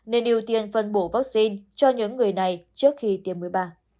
nên ưu tiên phân bổ vaccine cho những người này trước khi tiêm mũi ba